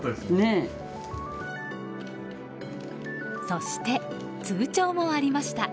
そして通帳もありました。